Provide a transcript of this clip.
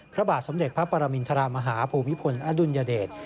พระบาทสมเด็จพระปรมินทรมาฮาภูมิพลอดุลยเดช